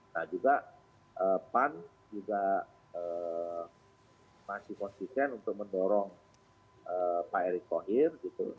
nah juga pan juga masih konsisten untuk mendorong pak erick thohir gitu